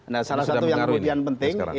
salah satu yang kemudian penting